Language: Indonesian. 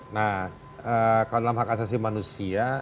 nah kalau dalam hak asasi manusia